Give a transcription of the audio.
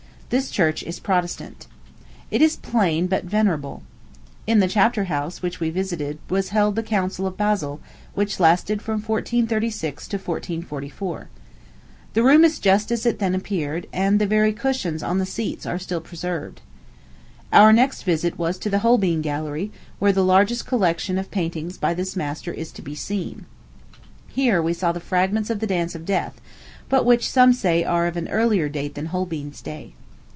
This church is Protestant. It is plain, but venerable. In the chapter house, which we visited, was held the Council of Basle, which lasted from 1436 to 1444. The room is just as it then appeared, and the very cushions on the seats are still preserved. Our next visit was to the Holbein Gallery, where the largest collection of paintings by this master is to be seen. Here we saw the fragments of the Dance of Death, but which some say are of an earlier date than Holbein's day.